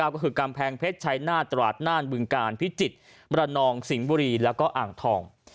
ก็คือกำแพงเพชรชัยหน้าตราดน่านบึงกาลพิจิตรมรนองสิงห์บุรีแล้วก็อ่างทอง